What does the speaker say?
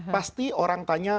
pasti orang tanya